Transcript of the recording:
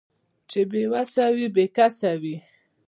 چې بې وسه وي بې کسه وي